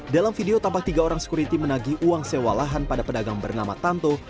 dalam video tampak tiga orang sekuriti menagi uang sewa lahan pada pedagang bernama tanto